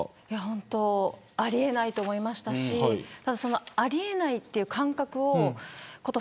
本当にあり得ないと思いましたしあり得ないという感覚をこと